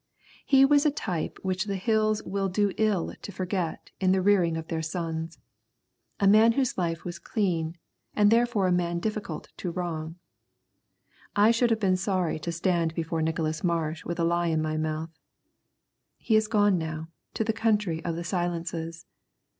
He was a type which the Hills will do ill to forget in the rearing of their sons, a man whose life was clean, and therefore a man difficult to wrong. I should have been sorry to stand before Nicholas Marsh with a lie in my mouth. He is gone now to the Country of the Silences.